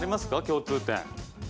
共通点。